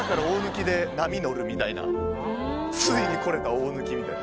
「ついに来れた大貫」みたいな。